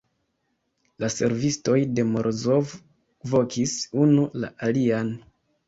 La servistoj de Morozov vokis unu la alian.